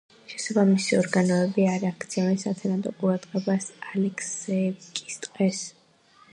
შესაბამისი ორგანოები არ აქცევენ სათანადო ყურადღებას ალექსეევკის ტყეს.